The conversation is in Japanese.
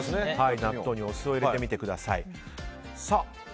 納豆にお酢を入れてみてください。